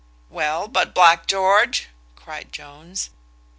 "Well, but Black George?" cries Jones.